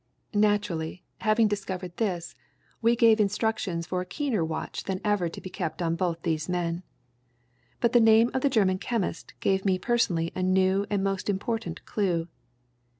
"Naturally, having discovered this, we gave instructions for a keener watch than ever to be kept on both these men. But the name of the German chemist gave me personally a new and most important clue.